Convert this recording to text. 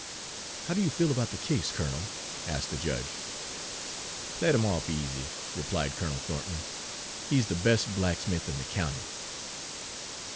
"How do you feel about the case, Colonel?" asked the judge. "Let him off easy," replied Colonel Thornton. "He 's the best blacksmith in the county."